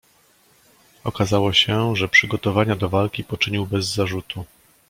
"Okazało się, że przygotowania do walki poczynił bez zarzutu."